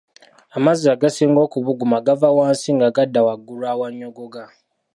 Amazzi agasinga okubuguma gava wansi nga gadda waggulu awannyogoga